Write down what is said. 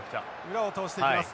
裏を通していきます。